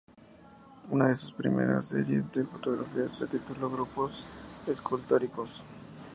Una de sus primeras serie de fotografías se tituló "Grupos escultóricos".